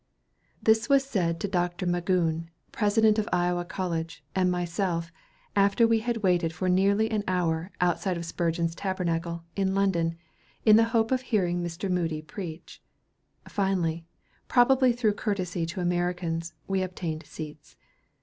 This was said to Dr. Magoun, President of Iowa College, and myself, after we had waited for nearly an hour, outside of Spurgeon's Tabernacle, in London, in the hope of hearing Mr. Moody preach. Finally, probably through courtesy to Americans, we obtained seats.